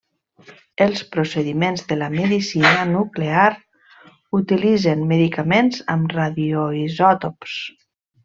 Els procediments de la medicina nuclear utilitzen medicaments amb radioisòtops.